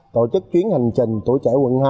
tổ chức chuyến hành trình tuổi trẻ quận hai